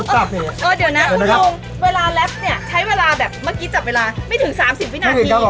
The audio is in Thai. ประมาณยี่สิบกว่าปีครับผม